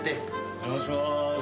お邪魔します。